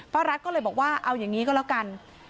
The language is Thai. ปรัชน์ก็เลยบอกว่าเอายังงี้ก็ละกัน